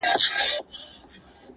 ما کله پرهرونه په ازغو نه دي ګنډلي